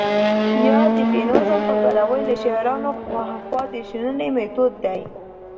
يا د فيمنيزم په پلوۍ له شعارونو هاخوا د شننې مېتود دى.